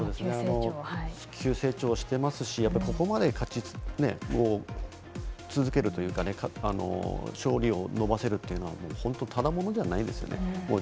急成長していますしここまで勝ち続けるというか勝利を伸ばせるというのはただものじゃないですよね。